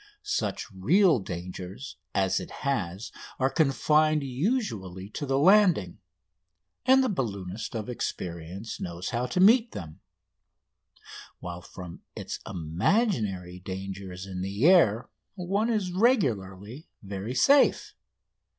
Such real dangers as it has are confined usually to the landing, and the balloonist of experience knows how to meet them; while from its imaginary dangers in the air one is regularly very safe.